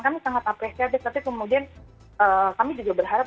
kami sangat apresiatif tapi kemudian kami juga berharap